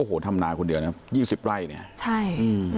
โอ้โหทำนาคมคนเดียวนะครับยี่สิบไร่เนี่ยใช่